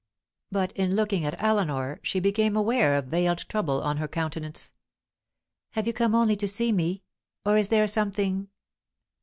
But in looking at Eleanor, she became aware of veiled trouble on her countenance. "Have you come only to see me? Or is there something